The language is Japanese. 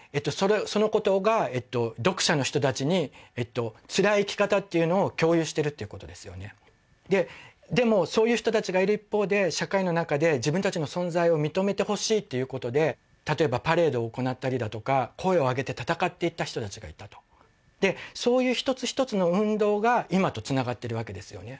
そのことが読者の人たちにつらい生き方っていうのを共有してるっていうことですよねでもそういう人たちがいる一方で社会のなかで自分たちの存在を認めてほしいっていうことで例えばパレードを行ったりだとか声をあげて闘っていった人たちがいたとそういう一つ一つの運動が今とつながってるわけですよね